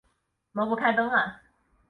怎么不开灯啊